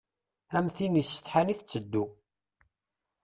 Am tin isetḥan i tetteddu.